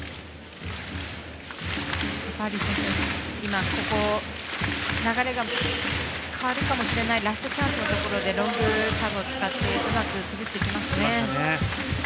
パーリー選手、今流れが変わるかもしれないラストチャンスのところでロングサーブを使ってうまく崩してきますね。